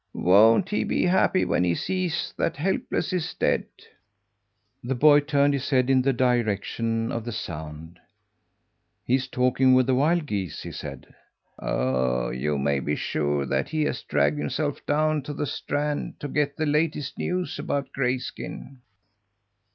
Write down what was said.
Won't he be happy when he sees that Helpless is dead!" The boy turned his head in the direction of the sound. "He's talking with the wild geese," he said. "Oh, you may be sure that he has dragged himself down to the strand to get the latest news about Grayskin!"